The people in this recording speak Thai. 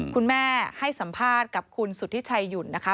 คุณแม่ให้สัมภาษณ์กับคุณสุธิชัยหยุ่นนะคะ